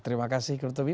terima kasih kutubi